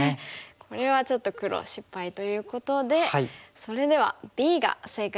これはちょっと黒失敗ということでそれではＢが正解だったんですね。